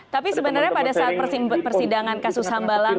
tapi sebenarnya pada saat persidangan kasus sambalang